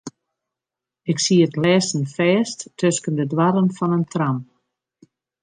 Ik siet lêsten fêst tusken de doarren fan in tram.